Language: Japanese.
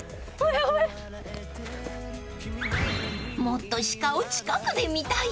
［もっと鹿を近くで見たい！］